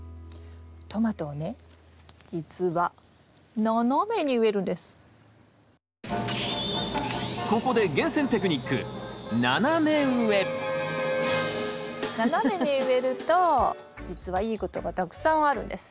トマトをね実はここで斜めに植えると実はいいことがたくさんあるんです。